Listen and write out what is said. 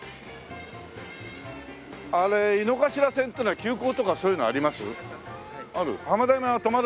あれ井の頭線っていうのは急行とかそういうのあります？あります。